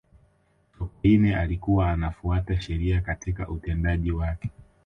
sokoine alikuwa anafuata sheria katika utendaji wake